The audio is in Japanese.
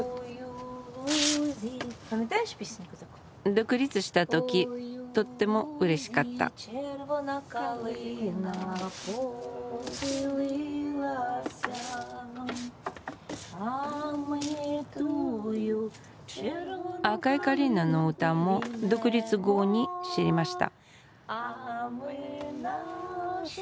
独立した時とってもうれしかった「赤いカリーナ」の歌も独立後に知りました